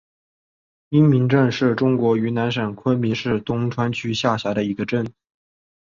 因民镇是中国云南省昆明市东川区下辖的一个镇。